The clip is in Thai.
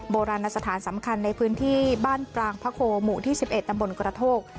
โบราณสถานสำคัญในพื้นที่บ้านปรางพระโคหมู่ที่๑๑ตำบลกระโทก